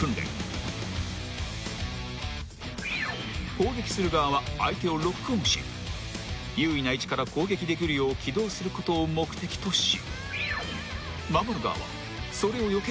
［攻撃する側は相手をロックオンし優位な位置から攻撃できるよう機動することを目的とし］